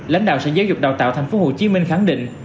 lãnh đạo sở giáo dục đào tạo tp hcm khẳng định